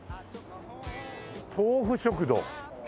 「豆富食堂」